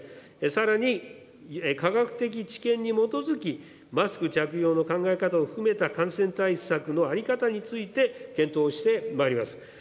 さらに、科学的知見に基づき、マスク着用の考え方を含めた感染対策の在り方について、検討してまいります。